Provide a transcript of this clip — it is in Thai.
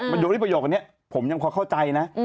มันยกที่ประโยคนี้ผมยังค่อยเข้าใจนะ